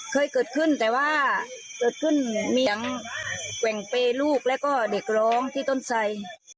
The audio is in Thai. เคยเกิดขึ้นแต่ว่าเกิดขึ้นมีเสียงแกว่งเปย์ลูกแล้วก็เด็กร้องที่ต้นไส